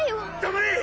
黙れ！